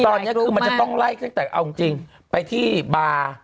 ตอนนี้คือมันจะต้องไล่ตั้งแต่เอาจริงไปที่บาร์